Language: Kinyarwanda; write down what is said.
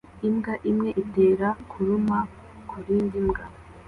Imbwa imwe itera kuruma kurindi mbwa